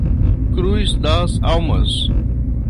Cruz Das Almas